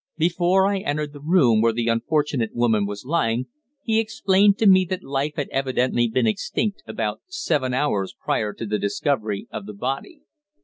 Before I entered the room where the unfortunate woman was lying, he explained to me that life had evidently been extinct about seven hours prior to the discovery of the body.